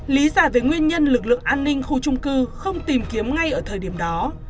lý giải về nguyên nhân lực lượng an ninh khu trung cư không tìm kiếm ngay ở thời điểm đó